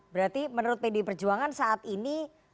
berarti menurut pdi perjuangan saat ini